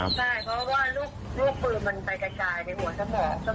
ใช่เพราะว่าลูกปืนมันไปกระจายไปหัวสมอง